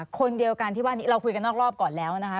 คนเดียวกันที่ว่านี้เราคุยกันนอกรอบก่อนแล้วนะคะ